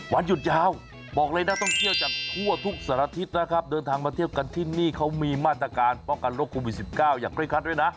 วันหยุดยาวบอกเลยนักท่องเที่ยวจากทั่วทุกสารทิศนะครับเดินทางมาเที่ยวกันที่นี่เขามีมาตรการป้องกันโควิด๑๙อย่างเร่งครัดด้วยนะ